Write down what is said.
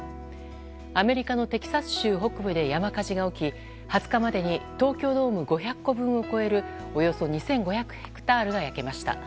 アメリカのテキサス州北部で山火事が起き２０日までに東京ドーム５００個分を超えるおよそ２５００ヘクタールが焼けました。